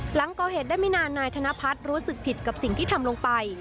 หลังก่อเหตุได้ไม่นานนายธนพัฒน์รู้สึกผิดกับสิ่งที่ทำลงไป